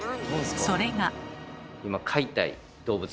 それが。